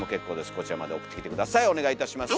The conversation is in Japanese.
こちらまで送ってきて下さいお願いいたします。